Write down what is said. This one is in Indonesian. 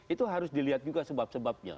itu harus dilihat juga sebab sebabnya